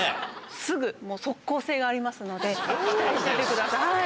すぐ、もう即効性がありますので、期待しててください。